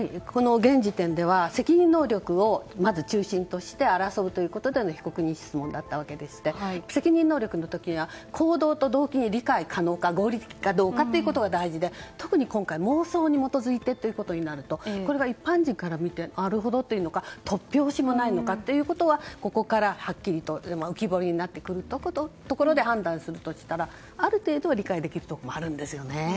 現時点では責任能力を中心として争うということでの被告人質問だったわけでして責任能力の時は行動と動機が理解可能か合理的かどうかということが大事で特に今回、妄想に基づいてということになるとこれは一般人から見てなるほどというものか突拍子もないものなのかがここからはっきりと浮き彫りになってくるところで判断するとしたらある程度は理解できるところもあるんですよね。